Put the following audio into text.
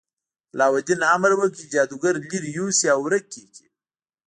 علاوالدین امر وکړ چې جادوګر لرې یوسي او ورک یې کړي.